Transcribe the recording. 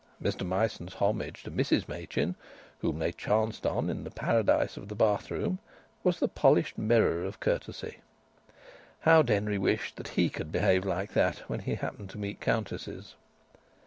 Mr Myson's homage to Mrs Machin, whom they chanced on in the paradise of the bath room, was the polished mirror of courtesy. How Denry wished that he could behave like that when he happened to meet countesses.